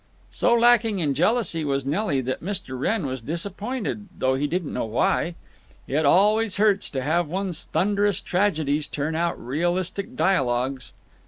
So lacking in jealousy was Nelly that Mr. Wrenn was disappointed, though he didn't know why. It always hurts to have one's thunderous tragedies turn out realistic dialogues.